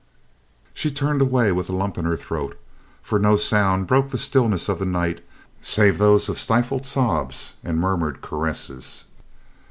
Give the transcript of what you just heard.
She turned away with a lump in her throat, for no sounds broke the stillness of the night save those of stifled sobs and murmured caresses.